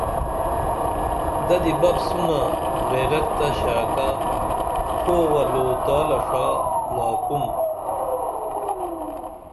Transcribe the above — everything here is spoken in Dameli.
ددی بپ سونہ غیرت تہ ݜعکہ پھووہ لوتالہ ݜا لاکُم